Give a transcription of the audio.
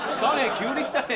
急にきたね！